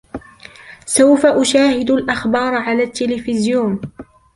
سوف أشاهد الأخبار على التليفزيون.